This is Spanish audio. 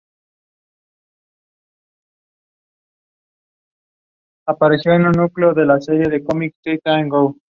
Su padre fue intendente de Coquimbo y miembro de la Corte de Apelaciones.